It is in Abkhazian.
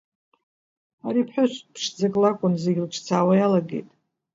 Ари ԥҳәыс ԥшӡак лакәын, зегь лыҿцаауа иалагеит.